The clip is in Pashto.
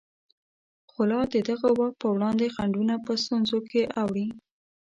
خو لا د دغه واک په وړاندې خنډونه په ستونزو کې اوړي.